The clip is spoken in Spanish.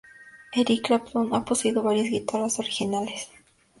Eric Clapton ha poseído varias guitarras originales de Salvador Ibáñez.